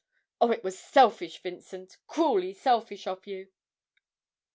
Oh, it was selfish, Vincent, cruelly selfish of you!'